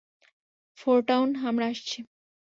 ফোরটাউন, আমরা আসছি!